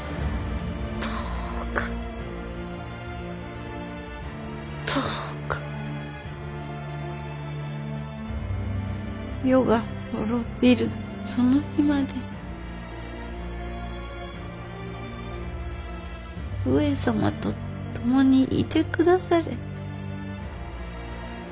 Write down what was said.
どうかどうか世が滅びるその日まで上様と共にいて下され。